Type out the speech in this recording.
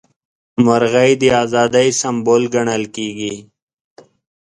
مرغۍ د ازادۍ سمبول ګڼل کیږي.